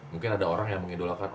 mungkin ada orang yang mengidolakan